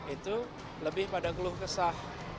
itu lebih pada keluh kesah